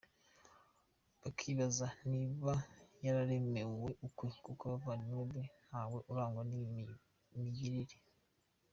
Bakibaza niba yararerewe ukwe kuko abavandimwe be ntawe urangwa n’iyi migirire !